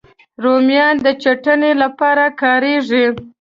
رومیان د چټني لپاره کارېږي